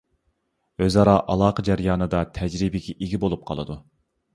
ئۆزئارا ئالاقە جەريانىدا تەجرىبىگە ئىگە بولۇپ قالىدۇ.